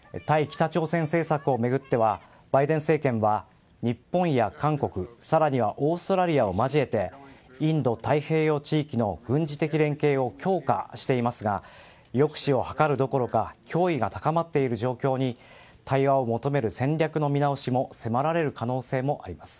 北朝鮮政策を巡ってはバイデン政権は日本や韓国更にはオーストラリアを交えてインド太平洋地域の軍事的連携を強化していますが抑止を図るどころか脅威が高まっている状況に対話を求める戦略の見直しも迫られる可能性もあります。